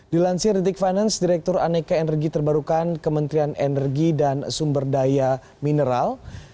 dilansir detik finance direktur aneka energi terbarukan kementerian energi dan sumber daya mineral